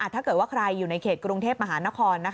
ถ้าเกิดว่าใครอยู่ในเขตกรุงเทพมหานคร